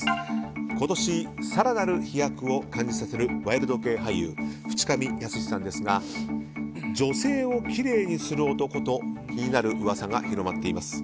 今年、更なる飛躍を感じさせるワイルド系俳優淵上泰史さんですが女性をきれいにする男と気になる噂が広まっています。